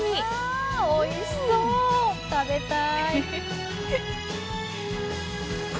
おいしそう食べたいですね。